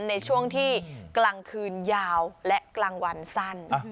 ในช่วงที่กลางคืนยาวและกลางวันสั้น